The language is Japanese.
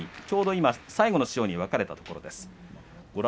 ちょうど今、最後の塩に分かれたところです。